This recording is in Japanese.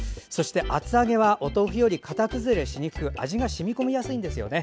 厚揚げはお豆腐より型崩れしにくく味が染み込みやすいんですよね。